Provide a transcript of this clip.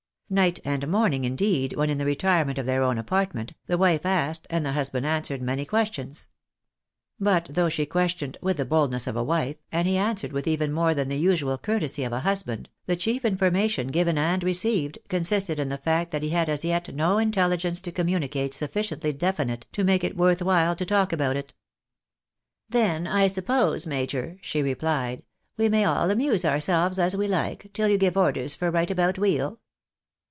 Night and morning, indeed, when in the retirement of their own apartment, the wife asked, and the husband answered, many questions. But though she questioned " with the bcj dness of a wife," and he answered with even more than the usual courtesy of a husband, the chief information given and received, consisted in the fact that he had as yet no intelligence to communicate sufficiently definite to make it worth while to talk about it. " Then I suppose, major," she replied, " we may all amuse ourselves as we hke, till you give orders for right about wheel?"